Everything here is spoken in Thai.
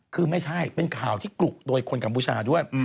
คือไม่ใช่เป็นข่าวที่กลุกโดยคนกัมพูชาด้วย